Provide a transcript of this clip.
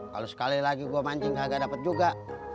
kalau sekali lagi gua mancing kagak dapat juga